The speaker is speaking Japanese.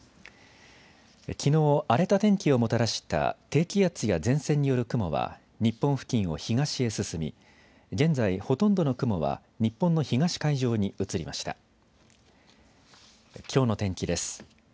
きのう荒れた天気をもたらした低気圧や前線による雲は日本付近を東へ進み、現在、ほとんどの雲は日本の東海上に移りました。